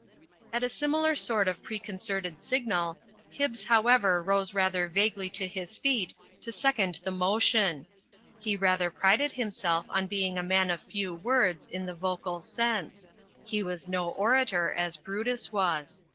At a similar sort of preconcerted signal, Hibbs How ever rose rather vaguely to his feet to second the mo tion. He rather prided himself on being a man of few words, in the vocal sense; he was no orator, as Brutus was.